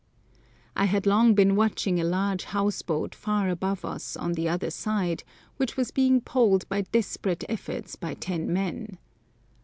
I had long been watching a large house boat far above us on the other side, which was being poled by desperate efforts by ten men.